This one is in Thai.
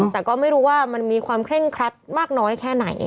แต่ก็ไม่รู้ว่ามันมีความเคร่งครัดมากน้อยแค่ไหน